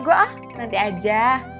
iya yaudah nanti aja